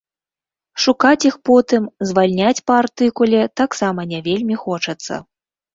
Шукаць іх потым, звальняць па артыкуле таксама не вельмі хочацца.